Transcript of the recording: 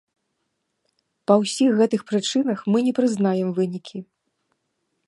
Па ўсіх гэтых прычынах, мы не прызнаем вынікі.